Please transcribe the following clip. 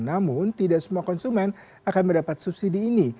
namun tidak semua konsumen akan mendapat subsidi ini